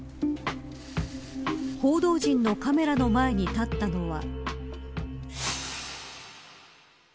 報道陣のカメラの前に立ったのは。